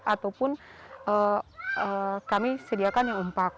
ataupun kami sediakan yang umpak